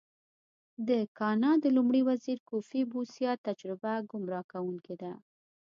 د ګانا د لومړي وزیر کوفي بوسیا تجربه ګمراه کوونکې ده.